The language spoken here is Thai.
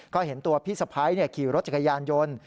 ก็เห็นตัวพี่สะพ้ายขี่รถจักรยานยนต์